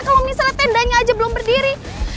kalau misalnya tendanya aja belum berdiri